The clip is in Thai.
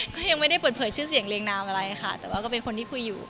ก็ยังไม่ได้เปิดเผยชื่อเสียงเรียงนามอะไรค่ะแต่ว่าก็เป็นคนที่คุยอยู่